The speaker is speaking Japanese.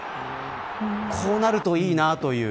こうなるといいなという。